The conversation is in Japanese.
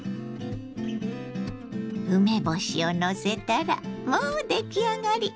梅干しをのせたらもう出来上がり！